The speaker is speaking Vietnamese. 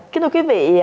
kính thưa quý vị